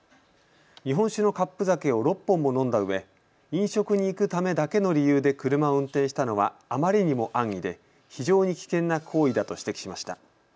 日本酒のカップ酒を６本も飲んだうえ飲食に行くためだけの理由で車を運転したのはあまりにも安易で非常に危険な行為だと指摘しました。